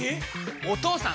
お義父さん！